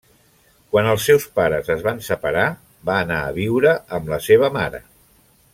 Quan els seus pares es van separar va anar a viure amb la seva mare.